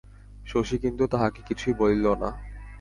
শশী কিন্তু তাহাকে কিছুই বলিল না।